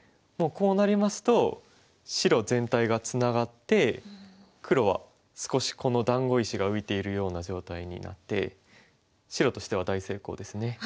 もうこうなりますと白全体がツナがって黒は少しこの団子石が浮いているような状態になって白としては大成功ですね。